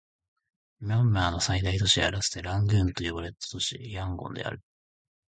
ミャンマーの最大都市はかつてラングーンと呼ばれた都市、ヤンゴンである